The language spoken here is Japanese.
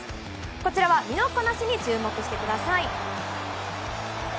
こちらは身のこなしに注目してください。